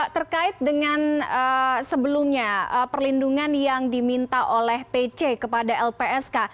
terkait dengan sebelumnya perlindungan yang diminta oleh pc kepada lpsk